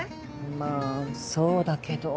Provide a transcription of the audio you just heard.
まぁそうだけど。